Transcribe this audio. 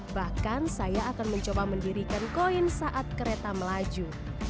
bahkan saya akan mencoba mendirikan koin saat kereta melaju